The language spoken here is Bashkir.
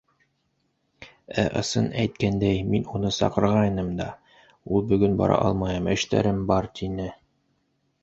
- Ә, ысын әйткәндәй, мин уны саҡырғайным да, ул бөгөн бара алмайым, эштәрем бар, тине.